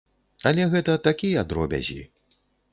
Але гэта такія дробязі.